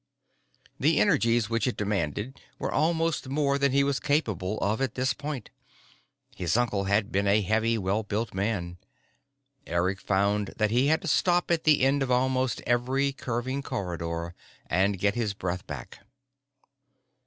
The energies which it demanded were almost more than he was capable of at this point. His uncle had been a heavy, well built man. Eric found that he had to stop at the end of almost every curving corridor and get his breath back.